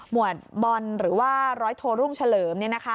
หมวดบอลหรือว่าร้อยโทรลุ่งเฉลิมเนี่ยนะคะ